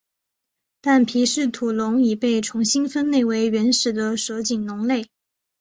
但皮氏吐龙已被重新分类为原始的蛇颈龙类。